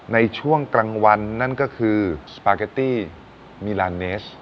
ในช่วงกลางวันนั่นก็คือสปาเกตตี้มิลานเนส